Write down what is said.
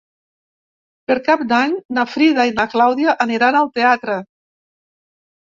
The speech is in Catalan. Per Cap d'Any na Frida i na Clàudia aniran al teatre.